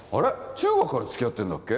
中学から付き合ってんだっけ？